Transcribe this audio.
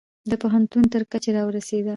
د پوهنتون تر کچې را ورسیدل